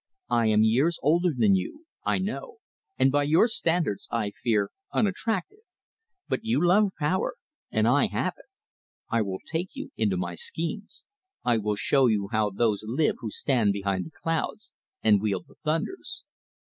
"I am years older than you, I know, and, by your standards, I fear unattractive. But you love power, and I have it. I will take you into my schemes. I will show you how those live who stand behind the clouds and wield the thunders."